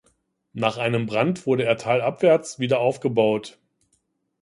Nach einem Brand wurde er talabwärts wieder aufgebaut.